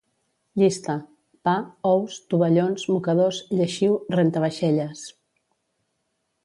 Llista: pa, ous, tovallons, mocadors, lleixiu, rentavaixelles